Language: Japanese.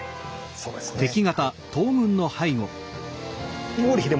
そうですねはい。